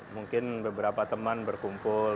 mungkin beberapa teman berkumpul